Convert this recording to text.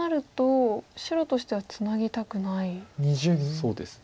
そうですね。